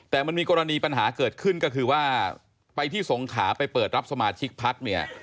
แต่มันมีกรณีปัญหาเกิดขึ้นก็คือว่าไปที่สงขาไปเปิดรับสมาชิกพักเนี่ย